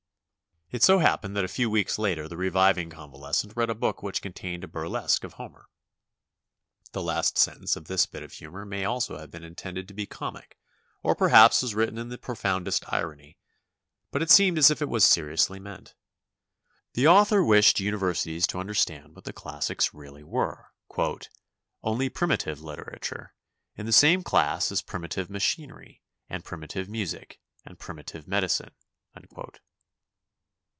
It so happened that a few weeks later the reviving convalescent read a book which contained a burlesque of Homer. The last sentence of this bit of humor may also have been intended to be comic or perhaps was written in the profoundest irony, but it seemed as if it was seriously meant. The author wished universities to understand what the classics really were: "only primitive literature; in the same class as primitive machinery and primitive music and primitive medi cine."